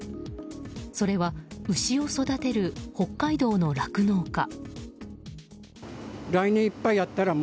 それは牛を育てる北海道の酪農家。